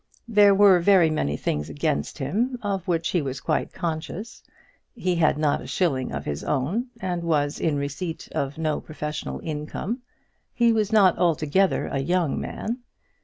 There were very many things against him, of which he was quite conscious. He had not a shilling of his own, and was in receipt of no professional income. He was not altogether a young man.